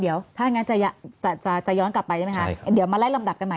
เดี๋ยวถ้างั้นจะย้อนกลับไปใช่ไหมคะเดี๋ยวมาไล่ลำดับกันใหม่